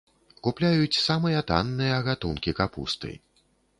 Купляюць самыя танныя гатункі капусты.